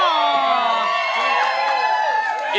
น้ำแทบนี้อ๋ออ๋อ